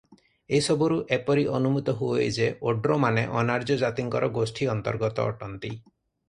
ଏହିସବୁରୁ ଏପରି ଅନୁମିତ ହୁଅଇ ଯେ ଓଡ୍ରମାନେ ଅନାର୍ଯ୍ୟ ଜାତିଙ୍କର ଗୋଷ୍ଠି ଅନ୍ତର୍ଗତ ଅଟନ୍ତି ।